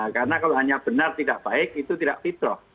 karena kalau hanya benar tidak baik itu tidak fitrah